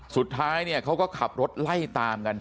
สุดท้ายเนี่ยเขาก็ขับรถไล่ตามกัน